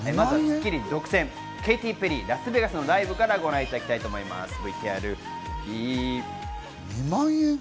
まずは『スッキリ』独占、ケイティ・ペリーのラスベガスのライブからご覧いただきたいと思います、ＶＴＲＷＥ！